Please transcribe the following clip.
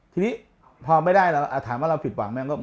ทีนี้พอไม่ได้เราถามว่าเราผิดหวังไหม